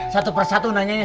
satu persatu nanyanya